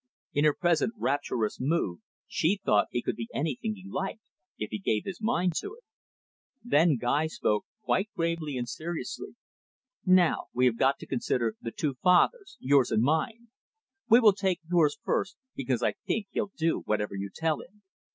In her present rapturous mood, she thought he could be anything he liked, if he gave his mind to it. Then Guy spoke quite gravely and seriously. "Now, we have got to consider the two fathers, yours and mine. We will take yours first, because I think he'll do whatever you tell him."